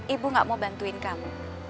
ibu gak mau bantuin kamu